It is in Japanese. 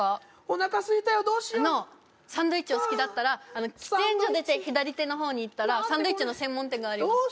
おなかすいたよどうしようあのサンドイッチお好きだったら喫煙所出て左手の方に行ったらサンドイッチの専門店があります